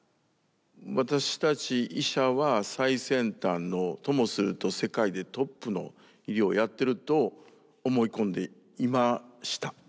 私たち医者は最先端のともすると世界でトップの医療をやってると思い込んでいました。